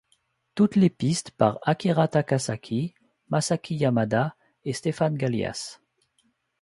Toutes les pistes par Akira Takasaki, Masaki Yamada & Stephan Galias.